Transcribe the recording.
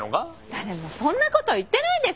誰もそんなこと言ってないでしょ。